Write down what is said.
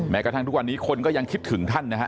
กระทั่งทุกวันนี้คนก็ยังคิดถึงท่านนะฮะ